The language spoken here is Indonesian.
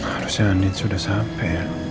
harusnya andin sudah sampe